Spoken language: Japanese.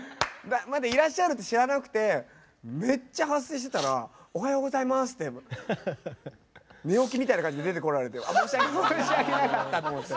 まだいらっしゃるって知らなくてめっちゃ発声してたら「おはようございます」って寝起きみたいな感じで出てこられて申し訳なかったと思って。